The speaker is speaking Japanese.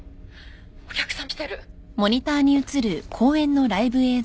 お客さん来てる。